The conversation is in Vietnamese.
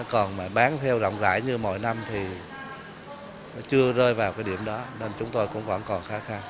còn mà bán theo rộng rãi như mỗi năm thì nó chưa rơi vào cái điểm đó nên chúng tôi cũng vẫn còn khá khăn